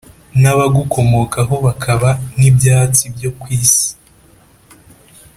N’abagukomokaho bakaba nk’ibyatsi byo ku isi.